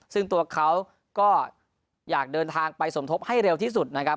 ซึ่งตัวเขาก็อยากเดินทางไปสมทบให้เร็วที่สุดนะครับ